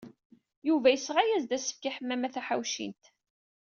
Yuba yesɣa-as-d asefk i Ḥemmama Taḥawcint.